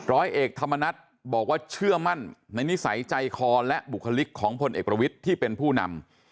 ร้อยเอกธรรมนัฏบอกว่าเชื่อมั่นในนิสัยใจคอและบุคลิกของพลเอกประวิทย์ที่เป็นผู้นำ